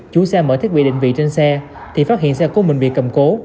chủ xe mở thiết bị định vị trên xe thì phát hiện xe của mình bị cầm cố